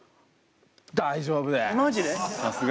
大丈夫です！